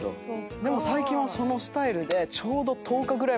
でも最近はそのスタイルで。